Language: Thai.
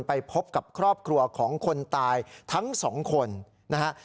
ไปพบกับครอบครัวของคนตายทั้งสองคนนะฮะ